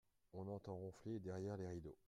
On entend ronfler derrière les rideaux.